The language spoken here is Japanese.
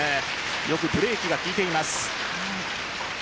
よくブレーキが効いています。